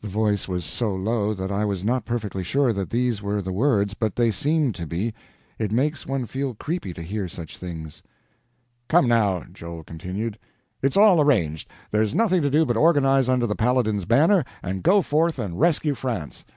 The voice was so low that I was not perfectly sure that these were the words, but they seemed to be. It makes one feel creepy to hear such things. "Come, now," Noel continued, "it's all arranged; there's nothing to do but organize under the Paladin's banner and go forth and rescue France.